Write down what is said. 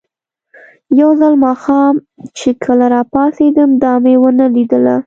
یو ځل ماښام چې کله راپاڅېدم، دا مې ونه لیدله.